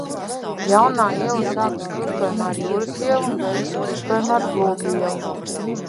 Jaunā iela sākas krustojumā ar Jūras ielu un beidzas krustojumā ar Plūdu ielu.